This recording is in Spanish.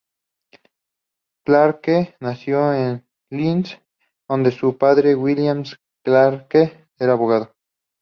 Clarke nació en Leeds donde su padre William Clarke era abogado.